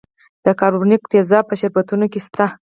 د کاربونیک تیزاب په شربتونو کې شته دی.